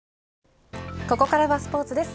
ここからスポーツです。